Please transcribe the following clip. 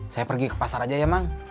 saya pergi ke pasar aja ya bang